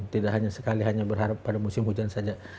tidak hanya sekali hanya berharap pada musim hujan saja